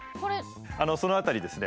その辺りですね